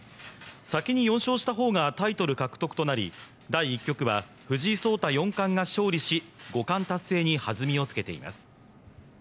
先に４勝した方がタイトル獲得となり第１局は藤井聡太四冠が勝利し五冠達成にはずみをつけています。